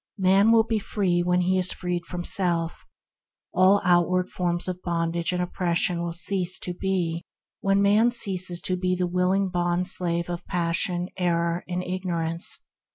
Man will be free when he is freed from self. All outward forms of bondage and oppression shall cease to be when man ceases to be the willing bond slave of passion, error, and ignorance.